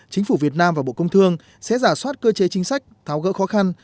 chính phủ việt nam và bộ công thương sẽ giả soát cơ chế chính sách tháo gỡ khó khăn